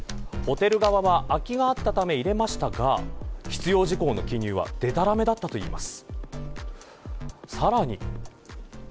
ホテル側は空きがあったため入れましたが必要事項の記入はでたらめだったといいます。